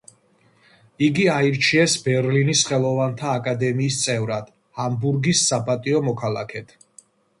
იგი აირჩიეს ბერლინის ხელოვანთა აკადემიის წევრად, ჰამბურგის „საპატიო მოქალაქედ“.